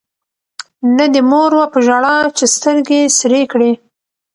نه دي مور وه په ژړا چي سترګي سرې کړي